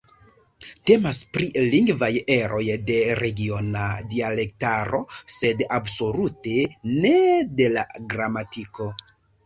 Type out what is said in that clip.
Temas pri lingvaj eroj de regiona dialektaro, sed absolute ne de la gramatiko.